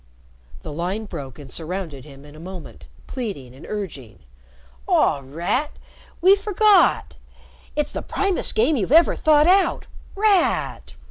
The line broke and surrounded him in a moment, pleading and urging. "Aw, Rat! We forgot. It's the primest game you've ever thought out! Rat!